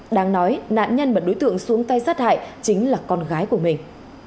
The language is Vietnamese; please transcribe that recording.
đáng nói nạn nhân và đối tượng xuống tay sát hại chính là con gái của mình